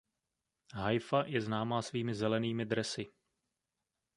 Haifa je známá svými zelenými dresy.